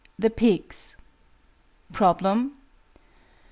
THE PIGS. _Problem.